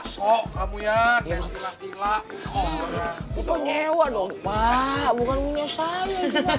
sop kamu ya yang gila gila itu nyewa dong pak bukan menyusahkan